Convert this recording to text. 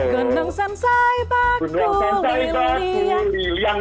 gendeng sensai baku liliang